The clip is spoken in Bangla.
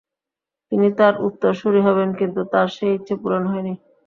তিনি তাঁর উত্তরসূরি হবেন, কিন্তু তাঁর সেই ইচ্ছে পূরণ হয়নি।